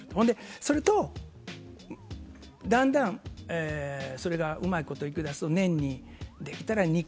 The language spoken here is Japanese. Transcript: それと、だんだんそれがうまいこといきだすと年にできたら２回。